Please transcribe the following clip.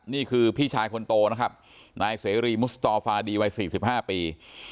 นี่คือพี่ชายคนโตนะครับนายเสรีมุสตอฟาดีวัย๔๕ปี